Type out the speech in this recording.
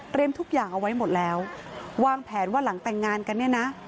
ทุกอย่างเอาไว้หมดแล้ววางแผนว่าหลังแต่งงานกันเนี่ยนะ